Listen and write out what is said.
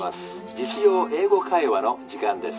『実用英語会話』の時間です。